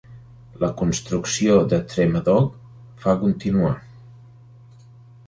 La construcció de Tremadog va continuar.